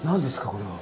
これは。